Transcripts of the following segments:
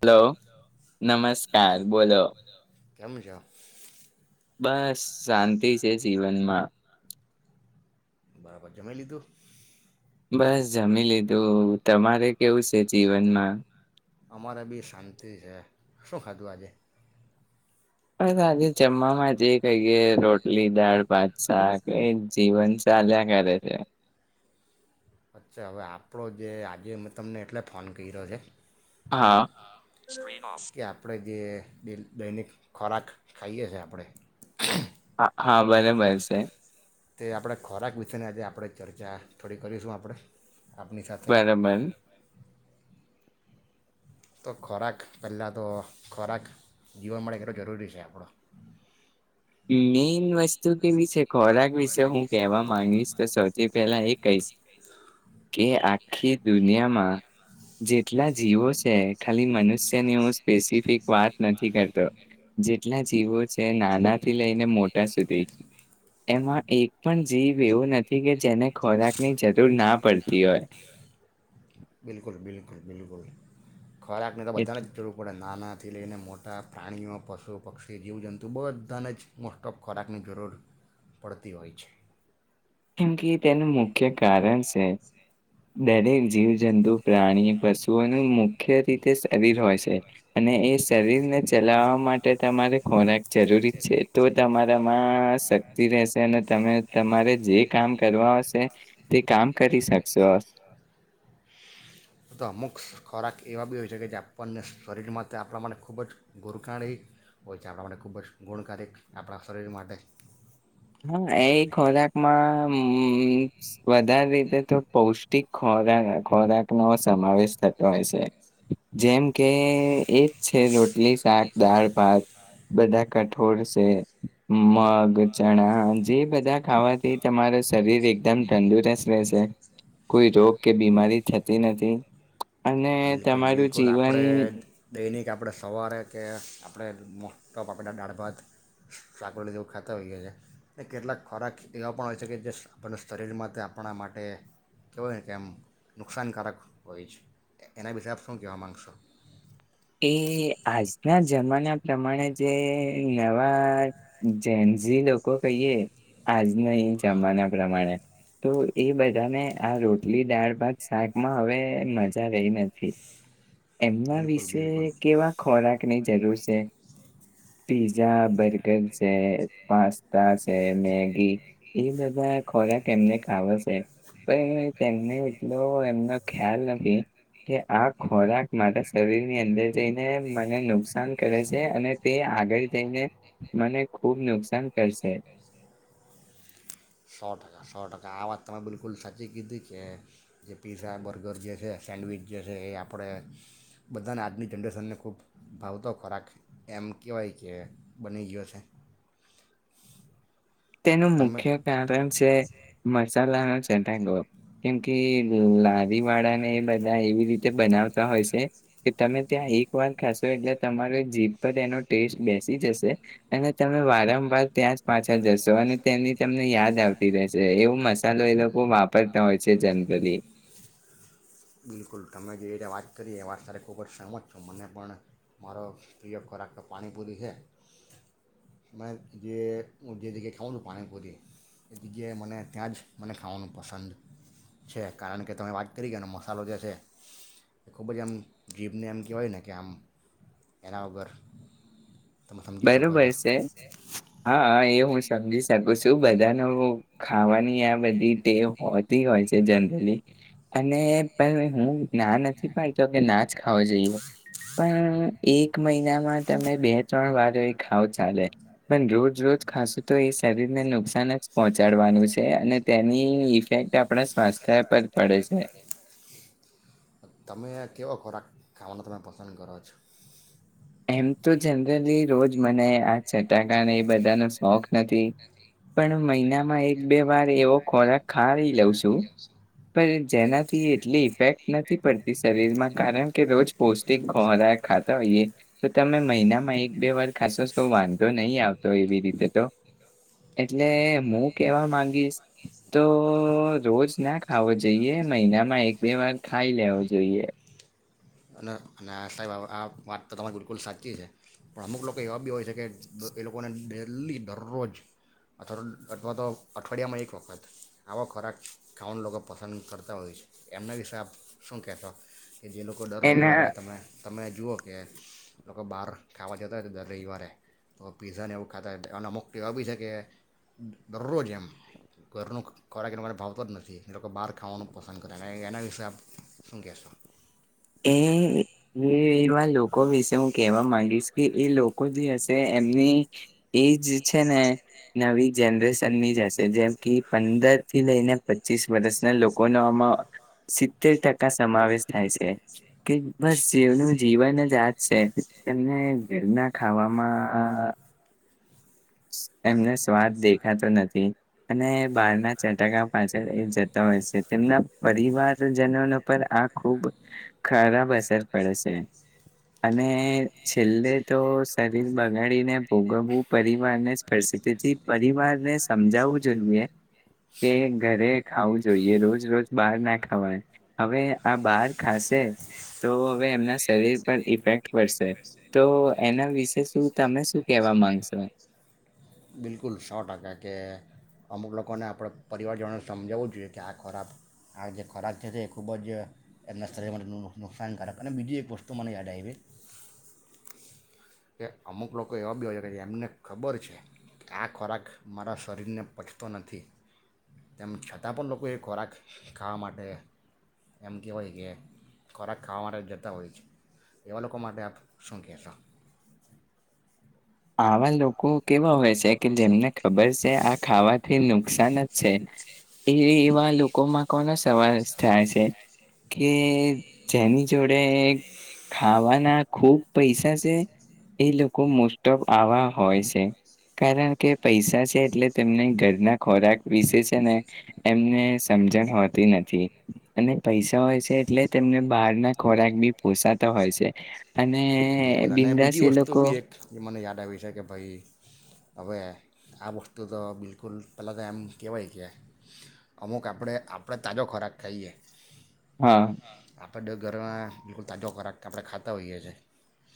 Hello નમસ્કાર બોલોલો ગમજ શાંતિ છે જીવનમાં બરાબર જમાઈ લીધું બસ જમી લીધું તમારે કેવું છે જીવનમાં અમારે બી શાંતિ છે શું ખાધું આજે બસ આજે જમવામાં જે કહીએ રોટલી દાળ ભસાા કે એ જીવન ચાલ્યા કરે છે અચ્છા હવે આપણો જે આજે મેં તમને એટલે ફોન કર્યો છે હા કે આપણેે જે દૈનિક ખોરાક ખાઈએ છે આપણેે હા હા બલેબર છે તે આપણા ખોરાક વિશેની આજે આપણે ચર્ચા થોડી કરીશું આપણે આપપની સાથે બરાબર મેન તો ખોરાક પહેલાં તો ખોરાક જીવન માટેે કેટલો જરૂરી છે આપણો વસ્તુ કેવી છે ખોરાક વિશે હું કહેવા માંગીશ તો સૌથી પહેલા એ કહીશ કે આખી દુનિયામાં જેટલા જીવો છે ખાલી મનુષ્યની હું સ્પેસિફિક વાત નથી કરતો જેટલા જીવો છે નાના થી લઈને મોટા સુધી એમાં એક પણ જીભ એવું નથી કે જેને ખોરાકની જરૂર ના પડતી હોય બિલકુલ બિલકુલ બિલકુલ ખોરાકને તો બધાને એટલે જરૂર પડે નાના આથી લઈને મોટા પ્રાણીઓ પશુ પક્ષી જીવજંતુઓ બ બધાને જ મોસ્ટ ઓફ ખોરાકની જરૂર પડતી હોય છે કેમ કે તેનું મુખ્ય કારણ છે દરેક જીવજંતુ પ્રાણી પશુઓનું મુખ્ય રીતે શરીર હોય છે અને એ શરીરને ચલાવવા માટે તમારે ખોરાક જરૂરી છે તો તમારામાં શક્તિ રહેશે અને તમે તમારે જે કરવા હશે તે કામ કરી શકશો તો અમુક ખોરાક એવા બી હોય છે કે જે આપણને શરીરમાં તે આપણા માટે ખૂબ જ ગોરખાણી હોય છે આપણા માટે ખૂબ જ ગુણકારિક આપણા શરીર માટે હા એ ખોરાકમાં હ વધારે રીતે તો પૌષ્ટિક ખોરાક ખોરાકનોો સમાવેશ થતો હોય છે જેમ કે એક છે રોટલી શાક દાળ ભાત બધા કઠોળ છે મગ ચણા જે બધા ખાવાથી તમારો શરીર એકદમ તંદુરસ્ત રહેશે. કોઈ રોગ કે બીમારી થતી નથી. અને બિલકુલ તમારું બિલકુલ જીવન આપણે દૈનિક આપણે સવારે કે આપણે મોટા બાફેલા દાળ, ભાત, સાકળના જેવું ખાતા હોઈએ. અને કેટલાક ખોરાક એવા પણ હોય છે કે જે આપણને શરીરમાં આપણા માટે કેહેવાય કે આમ નુકસાનકારક હોય છે. એને વિશે આપ શુ કહેવા માંગશો? એ આજના જમાના પ્રમાણે જે નવા જેન્ઝી લોકો કહીએ આજના ઈન જમાના પ્રમાણે તો એ બધાને આ રોટલી, દાળ, ભાત, શાકમાં હવે મજા રહી નથી. જે એમના બિલકુલ વિશે બિલકુલ એ કેવા ખોરા કની જરૂર છે. પિઝા, બર ગર છે, પાસ્તા છે, મેગી એ બધા ખોરાક એમને ખાવો છે. પણ તેમને એટલો એમનો ખ્યાલ નથી કે આ ખોરાક માટે ની અંદર જઈને મને નુકસાન કરે છે. અને તે આગળ જઈને મને ખુબ નુકસાન કરશે. સો ટકા સો આ વાત તમે બિલકુલ સાચી કીધી છે. જે પીઝા, બર્ગર જે છે, સેન્ડવીચ જે છે એ આપણે બધાને આજની જનરેશનને ખૂબ ભાવતો ખોરાક. એમ કહેવાય કે બની ગયો છે. તેનું તમે મુખ્ય કારણ છે મસાલાનો ચટાકો કેમ કે લારી વાળા ને એ બધા એવી રીતે બનાવતા હોય છે કે. તમે ત્યાં એક વાર ખાશો એટલે તમારો જીભ પર એનો ટેસ્ટ બેસી જશે. અને તમે વારંવાર ત્યાં જ પાછા જશો. તો અને તેની તમને યાદ આવતી રહેશે. એવું મસાલો એ લોકો બહું વાપરતા હોય છે જનરલી જેરીના વાત કરી એ વાત તારી ખૂબ જ સહજ છું. મને પણ મારો પ્રિય ખોરાક પાણીપુરી હે. મને જે હું જે જગ્યાએ ખાઉં છું પાણીપુરી એ જગ્યાએ મને ત્યાં જ મને ખાવાનું પસંદ છે. કારણ કે તમે વાત કરી ગયાને મસાલો જે છે. એ ખૂબ જ એમ જીભને એમ કહેવાય ને કે આમ એના વગર તમે સમજી શકો છો બરોબર છે. હા એ હું સમજી શકું છું બધાનુ ખાવાની આ બધી ટેવ હોતી હોય છે જનરલી. અને પણ હું ના નથી પાડતો કે ખ જોઈએ પણ એક ક મહિનામાં તમે બે ત્રણ વાર એ ખાવો ચાલે. પણ રોજ રોજ ખાશું તો એ શરીર ને નુકસાન જ પહોંચ ચડવાનું છે. અને તેની ઇફેક્ટ આપણા સ્વાસ્થ્ય પર પડે છે. ખાવાનામા થોડા પસંદ કરો છો એમ તો જનરલી રોજ મને આ ચટાકાને એ બધાનો શોખ નથી. પણ મહિનામાં એક બે વાર એવો ખોરાક ખાઇ લઉં છું. પણ જેનાથી એટલી ઇફેક્ટ નથી પડતી શરીરમાં. કારણ કે રોજ પૌષ્ટિક ખોરાક ખાતા હોઈએ. તમે મહિનામાં એક બે વાર ખાશો તો વાંધો નહીં આવતો એવી રીતે તો. એટલે હું કેવા માંગીશ તો રોજ ના ખાવો જોઈએ મહિનામાં એક બે વાર ખાઈ લેવો જોઈએ. અને અને આ સાહેબ આ વાત તો તમારી બિલકુલ સાચી છે. પણ અમુક લોકો એવા બી હોય છે કે એ લોકોને ડેલી દરરોજ અથવા અથવા તો અઠવાડિયામાં એક વખત આવો ખોરાક ખાવાનું લોકો પસંદ કરતા હોય છે. એમના વિશે આપ શું કહેતો કે જે લોકો કો ડર એના રવીવારે તમે તમે જુઓ કે લોકો બહાર ખાવા જતા હોય રવિવારે તો પીઝાને એવું ખાતા અને અ મુક્તતિ બી છે, કે ડરરોજ એમ ઘરનું ખોરા કે મને ભાવતો જ નથી, લોકો બહાર ખાવાનું પસંદ કરે અને એના હિસાબ શું કહેશો, હમ્મ એ લોકો વિશે હું કેવા માંગીશ કે એ લોકો જે હશે એમની એજ છે ને નવી જનરેશનની જ હશે જેમ કે પંદર થી લઈને પચીસ વર્ષના લોકો ન આમાં સિત્તેર ટકા સમાવેશ થાય છે, કે બસ જેનું જીવન જ આજ છે, તને ઘરના ખાવામાં એમને સ્વાદ દેખાતો નથી અને બારના ચટકા પાછળ એ જતા હોય છે, તેમના પરિવારજનો પર આ ખુબ ખરાબ અસર પડે છે, અને છેલ્લે તો શરીર બગાડીને ભોગવું શે તેથી પરિવારને સમજાવું જોઈએ, કે ઘરે ખાવું જોઈએ રોજ રોજ બહાર ના ખાવાય હવે આ બહાર ખાશે તો હવે એમના શરીર પર ઇફેક્ટ પડશે તો એના વિશે શું તમે શું કેહેવા માંગશો? બિલકુલ સો ટકા કે અમુક લોકોને આપણે પરિવારજનોને સમજાવવું જોઈએ, કે આ ખોરાબ આ જે ખોરાક છે તે એ ખૂબ જ એમના શરીરમાં નુકસાનકારક અને બીજી એક વસ્તુ મને યાદ આવી કે અમુક લોકો એવા બી હો છે કે જે એમને ખબર છે, કે આ ખોરાક મારા શરીરને પચતો નથી તેમ છતાં પણ લોકો એ ખોરાક ખાવા માટે એમ કહેવાય કે ખોરાક ખાવા માટે જતા હોય છે, એવા લોકો માટે આપ શું કહેશો હવા લોકો કેવા હોય છે કે જેમને ખબર છે, આ ખાવાથી નુકસાન જ છે, એ એવા લોકોમાં કોનો સવાલ થાય છે કે જેની જોડે ખાવાના ખૂબ પૈસા છે, એ લોકો મો લપટોપ આવા હોય છે કારણ કે પૈસા છે, એટલે તેમને ઘરના ખોરાક વિશે છે ને એમને સમજણ હોતી નથી અને પૈસા હોય છે, એટલે તેમને બહારના ખોરાક બી પોસાતા હોય છે, બિલકુલ અને બિંદાસ બીજી એ વસ્તુ લોકો બી એક જે મને યાદ આવી જ કે ભાઈ હવે આ વસ્તુ તો બિલકુલ પહેલાં તો એમ કહેવાય કે અમુક આપણે આપણે તાજો ખોરાક ખાઈએ હા આપ ઘરમાં બિલકુલ તાજો ખરાક આપણે ખાતા હોઈએ છીએ,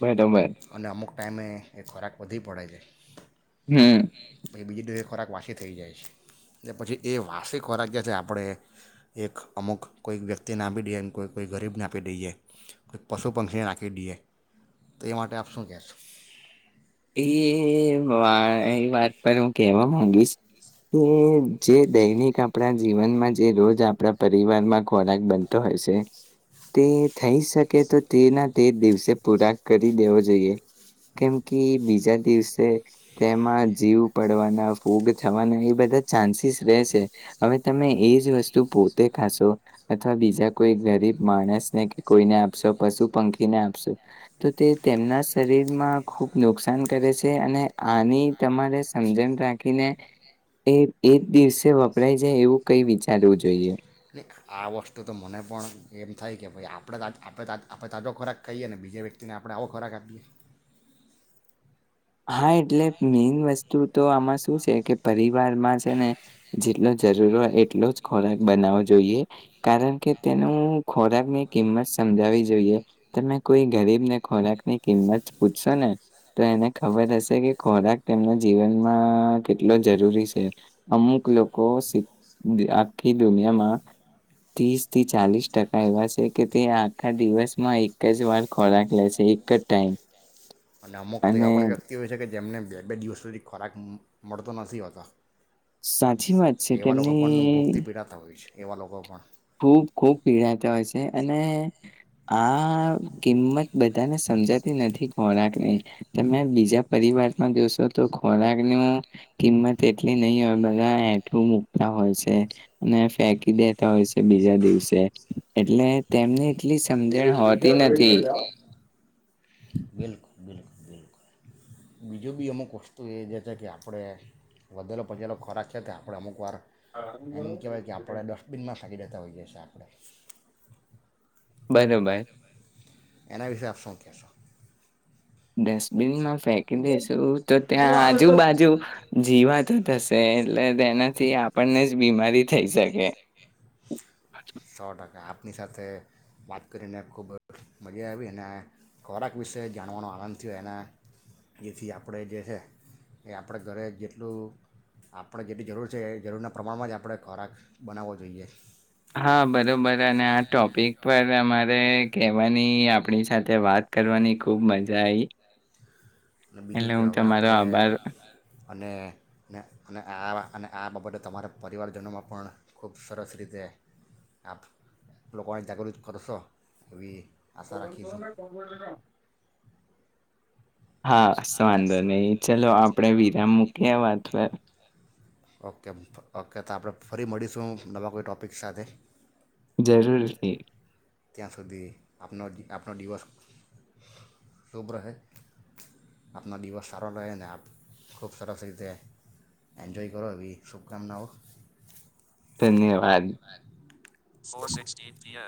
મેડમ મેડ અને અમુક ટાઈમે એ ખોરાક વધી પડે છે, હમ પછ બીજી એ ખોરાક વાસી થઈ જાય છે, એલે પછી એ વાસી ખોરાક જે છે આપણે એક અમુક કોઈક વ્યક્તિને આપી દઈએ કોઈ કોઈ ગરીબને આપી દઈએ કો પશુ પંક્ષીને નાખી દઈએ, તો એ માટે આપ શું કહેશો? એ વા એ વાત પર હું કહેવા માંગીશ કે જે દૈનિક આપણા જીવનમાં જે રોજ આપણા પરિવારમાં ખોરાક બનતો હોય છે તે થઈ શકે તો તેના તે દિવસે પૂરાક કરી દેવો જોઈએ, કેમ કે બીજા દિવસે તેમાં જીવ પડવાના ફૂગ થવાના એ બધા ચાન્સીસ રહેશે, હવે તમે એ જ વસ્તુ પોતે ખાશો અથવા બીજા કોઈ ગરીબ માણસને કે કોઈને આપશો પશુ પંખીને આપશો તો તે તેમના શરીરમાં ખુબ નુકસાન કરે છે, અને આની તમારે સમજણ રાખીને એ એક દિવસે વપરાય જાય એવું કઈ વિચારવું જોઈએ. નહીં આ વસ્તુ તો મને પણ એમ થાય કે ભાઈ આપણે આપ આપણે તાજો ખોરાક ખાઈએ અનેને બીજા વ્યક્તિને આપણે આવો ખોરાક આપીએ, હા એટલે મેન વસ્તુ તો આમાં શું છે કે પર ર માં છે ને જેટલો જરૂર હોય એટલો જ ખોરાક બનાવવો જોઈએ કારણ કે તેનું ખોરાકની કિંમત સમજાવી જોઈએ, તમે કોઈ ગરીબને ખોરાકની કિંમત પૂછશો ને તો એને ખબર હશે કે ખોરાક તેમના જીવનમાં કેટલો જરૂરી છે, અમુક લોકો આખી દુનિયામાં ત્રીસ થી ચાલીસ ટકા એવા છે કે તે આખા દિવસમાં એક જ વાર ખોરાક લે છે, એક જ ટાઈમ અને અમુક તો એ પણ વ્યક્તિ કે છે કે જેમને બે બે દિવસ સુધી ખોરાક મળતો નથી હોતો. સાચી વાત છે એવા લોકો પણ તેમની ભૂખથી પીડાતા હોય છે એવા લોકો પણ ખૂબ ખૂબ પીડાતા હોય છે અને આ કિંમત બધાને સમજાતી નથી ખોરાકની તમે બીજા પરિવારમાં જોશો તો ખોરાક ન કિંમત એટલી નહી હોય, બધા હઠું મૂકતા હોય છે અને ફેંકી દેતા હોય છે, બીજા દિવસે એટલે તેમને એટલી સમજણ હોતી નથી, બિલકુલ બિલકુલ બિલકુલ બીજું બી અમુક વસ્તુ એ જે છે, કે આપણે વધેલો પચેલો ખોરાક છે તે આપણે અમુક વાર એમ કેવાય કે આપણે ડસ્ટબિનમાં થાકી દેતા હોઈએ છીએ આપણે બને બાઈ એના વિશે આપ શો કશો ડસ્ટબિન માં ફેંકી દશું તો ત્યાં આજુબાજુ જીવાતો થશે એટલે તેનાથી આપણને જ બીમારી થઈ શકે સો ટકા આપની સાથે વાત કરીને ખૂબ મજા આવી અને ખોરાક વિશે જાણવાનો આનંદ થયો એ એથી આપણે જે છે એ આપણે ઘરે જેટલું આપણે જેટલી જરૂર છે એ જરૂરનાં પ્રમાણમાં જ આપણે ખોરાક બનાવવો જોઈએ હા બરોબર અને આ ટોપિક પર અમારે કવાની આપણી સાથે વાત કરવાની ખુબ મજા આવીઈ અને બીજું એટલે કે હું હવે તમારો આપણે આભાર અને અને આ અને આ બાબતે તમારા પરિવારજનોમાં પણ ખૂબ સરસ રીતે આપ લોકોને જાગૃત કરશો એવી આશા ભગન ભવ રાખીશું નાને કોણ કર છ ના હા, વાંધો નહીં. ચલો આપણે વિરામ મૂકીએ વાત પર. ઓકે આપ ફરી મળીશું નવા કોઈ ટૉપિક સાથે જરૂર ત્યાં સુધી આપનો આપનો દિવસ શુભ રહે આપનો દિવસ સારો રહે ને ખૂબ સરસ રીતે એન્જોય કરો એવી શુભકામનાઓ ધન્યવાદ. Four sixty three